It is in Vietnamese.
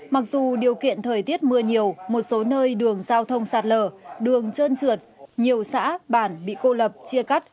mặc dù điều kiện thời tiết mưa nhiều một số nơi đường giao thông sạt lở đường trơn trượt nhiều xã bản bị cô lập chia cắt